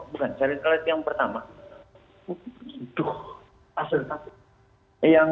bukan sharing slide yang pertama